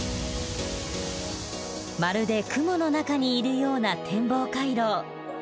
まるで雲の中にいるような天望回廊。